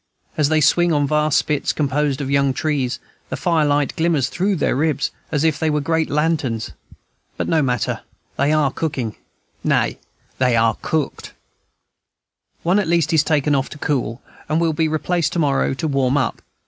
As they swing on vast spits, composed of young trees, the firelight glimmers through their ribs, as if they were great lanterns. But no matter, they are cooking, nay, they are cooked. One at least is taken off to cool, and will be replaced tomorrow to warm up.